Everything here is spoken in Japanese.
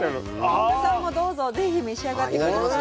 本田さんもどうぞ是非召し上がって下さい。